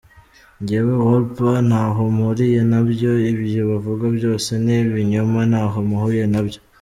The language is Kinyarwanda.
Njyewe Wolper ntaho mpuriye nabyo… ibyo bavuga byose ni ibinyoma ntaho mpuriye nabyo.